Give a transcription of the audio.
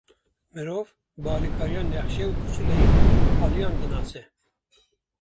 Mirov, bi alîkariya nexşe û pisûleyê aliyan dinase.